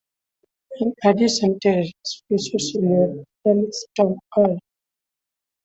In addition, "Terrorist" features Slayer vocalist Tom Araya.